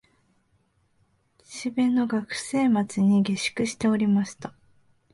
岸辺の学生町に下宿しておりました